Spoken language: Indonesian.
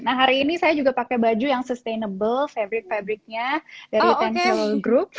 nah hari ini saya juga pakai baju yang sustainable fabric fabricnya dari lansing group